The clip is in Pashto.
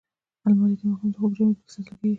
الماري د ماښام د خوب جامې پکې ساتل کېږي